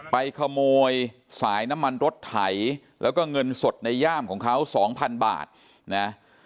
ไปขโมยสายน้ำมันรถไถแล้วก็เงินสดในย่ามของเขาสองพันบาทนะ